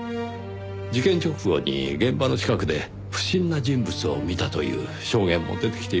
事件直後に現場の近くで不審な人物を見たという証言も出てきています。